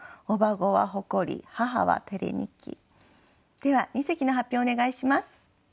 では二席の発表お願いします。